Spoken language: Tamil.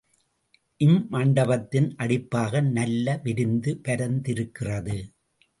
இம்மண்டபத்தின் அடிப்பாகம் நல்ல விரிந்து பரந்திருக்கிறது.